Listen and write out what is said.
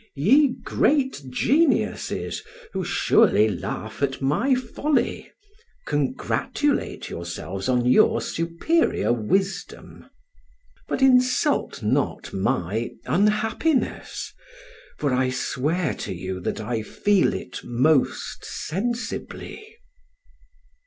Ye great geniuses, who surely laugh at my folly, congratulate yourselves on your superior wisdom, but insult not my unhappiness, for I swear to you that I feel it most sensibly.